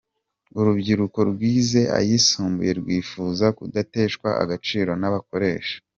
Urubyiruko rwize ayisumbuye rwifuza kudateshwa agaciro n’abakoresha.